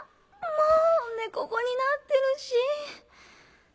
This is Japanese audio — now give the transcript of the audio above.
もう猫語になってるし。